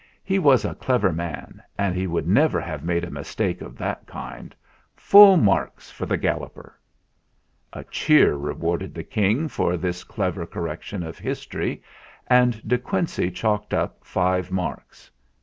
"He was a clever man, and he would never have made a mis take of that kind. Full marks for the Gal loper!" A cheer rewarded the King for this clever correction of history, and De Quincey chalked up five marks.